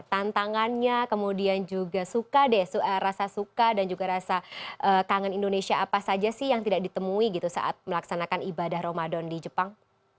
tantangannya kemudian juga suka deh rasa suka dan juga rasa kangen indonesia apa saja sih yang tidak ditemui gitu saat melaksanakan ibadah ramadan di jepang